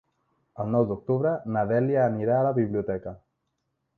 El nou d'octubre na Dèlia anirà a la biblioteca.